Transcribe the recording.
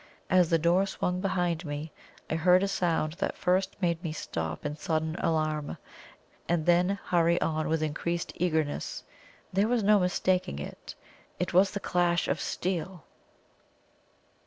As the door swung behind me I heard a sound that first made me stop in sudden alarm, and then hurry on with increased eagerness. There was no mistaking it it was the clash of steel!